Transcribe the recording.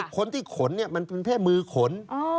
ขนที่ขนมันเป็นแค่มือขน